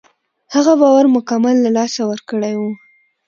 هغه باور مکمل له لاسه ورکړی و.